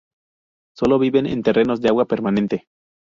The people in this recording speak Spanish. Solo viven en terrenos de agua permanente.